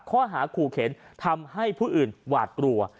ข้อหาขู่เข็นทำให้ผู้อื่นหวาดกลัว